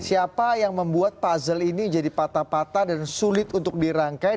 siapa yang membuat puzzle ini jadi patah patah dan sulit untuk dirangkai